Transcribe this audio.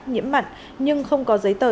nhĩm mặt nhưng không có giấy tờ